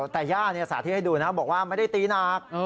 แต่อ้าแสดงว่าไม่ได้ตีลาก